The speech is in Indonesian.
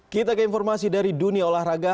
kita ke informasi dari dunia olahraga